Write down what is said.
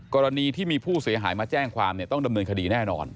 กรณีที่มีผู้เสียหายมาแจ้งความต้องดำเนินคดีแน่นอน